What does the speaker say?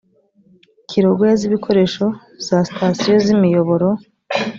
kirogoya z ibikoresho za sitasiyo z imiyoboro